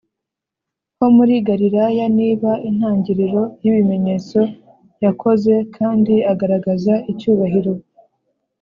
Ho muri galilaya biba intangiriro y ibimenyetso yakoze kandi agaragaza icyubahiro